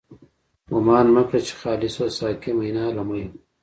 ګومان مه کړه چی خالی شوه، ساقی مينا له ميو